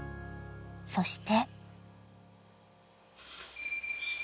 ［そして］